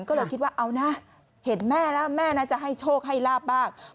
ก็เลยคิดว่าเอานะเห็นแม่แล้วแม่น่าจะให้โชคให้ลาบบ้าง